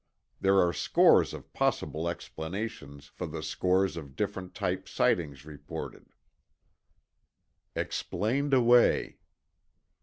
... There are scores of possible explanations for the scores of different type sightings reported." Explained away